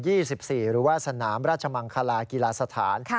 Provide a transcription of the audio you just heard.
หรือว่าสนามราชมังคลากีฬาสถาน